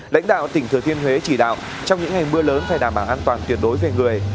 lãnh đạo tỉnh thừa thiên huế chỉ đạo trong những ngày mưa lớn phải đảm bảo an toàn tuyệt đối về người